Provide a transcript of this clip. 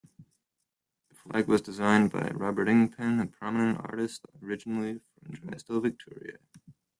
The flag was designed by Robert Ingpen, a prominent artist originally from Drysdale, Victoria.